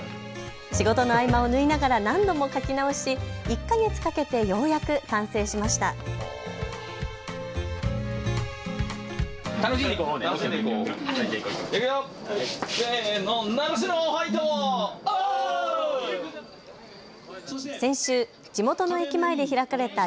仕事の合間を縫いながら何度も書き直し１か月かけてようやく完成しました。